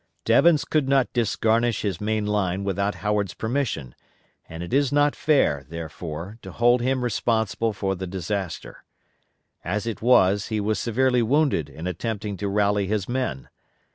Devens could not disgarnish his main line without Howard's permission, and it is not fair, therefore, to hold him responsible for the disaster. As it was, he was severely wounded in attempting to rally his men.